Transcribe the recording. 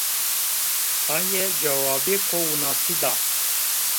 Aye cewabêko winasî da